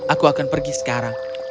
aku akan pergi sekarang